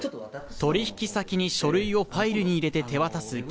取引先に書類をファイルに入れて手渡す